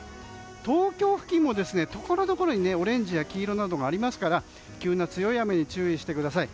東京付近もところどころにオレンジや黄色などがありますから急な強い雨に注意してください。